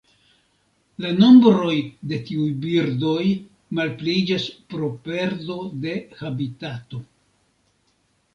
La nombroj de tiuj birdoj malpliiĝas pro perdo de habitato.